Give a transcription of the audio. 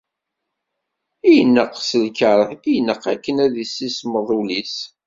Ineqq s lkeṛh, ineqq akken ad issismeḍ ul-is.